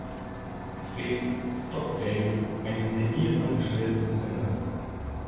Fred Stockdale, einem senilen Angestellten des Senders.